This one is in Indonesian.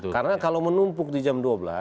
karena kalau menumpuk di jam dua belas